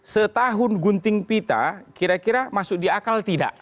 setahun gunting pita kira kira masuk di akal tidak